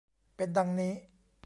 เป็นดังนี้